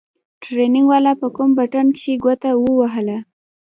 ټرېننگ والا په کوم بټن کښې گوته ووهله.